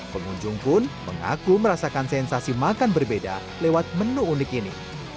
pengunjung pun mengaku merasakan sensasi makan berbeda lewat menu unik ini